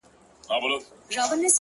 • اوښکه د باڼو پر سر تکیه یمه تویېږمه ,